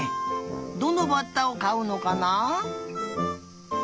どのバッタをかうのかな？